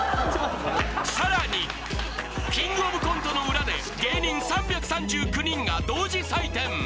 更に「キングオブコント」の裏で芸人３３９人が同時採点